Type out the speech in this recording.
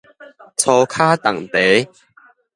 粗跤重蹄